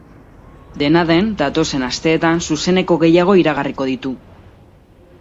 Dena den, datozen asteetan zuzeneko gehiago iragarriko ditu.